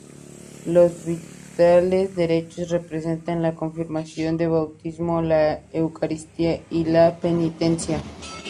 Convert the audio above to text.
Los vitrales derechos representan la confirmación, el bautismo, la eucaristía y la penitencia.